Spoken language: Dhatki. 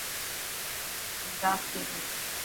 همي رات ٿي گئي.